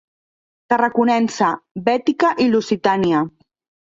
Tarraconense, Bètica i Lusitània.